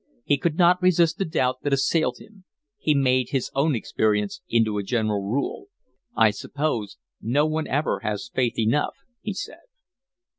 He could not resist the doubt that assailed him. He made his own experience into a general rule. "I suppose no one ever has faith enough," he said.